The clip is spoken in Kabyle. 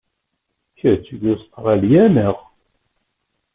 Kečč seg Ustṛalya, naɣ?